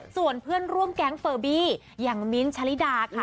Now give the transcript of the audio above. ส่วนเพื่อนร่วมแก๊งเฟอร์บี้อย่างมิ้นท์ชะลิดาค่ะ